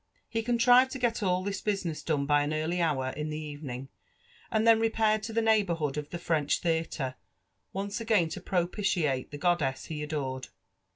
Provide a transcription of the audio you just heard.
He contrived to get all this business done by art early hour in the evening, and then repaired to the neighbourhood of the French The^ aire, once again to propitiate the goddess he adored.